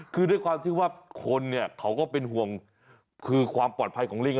คือโดยความสิว่าคนนี้เขาก็เป็นห่วงความปลอดภัยของลิง